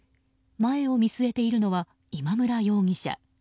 前を見据えているのは今村容疑者。